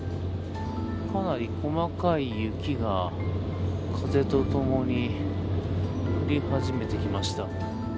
かなり細かい雪が風とともに降り始めてきました。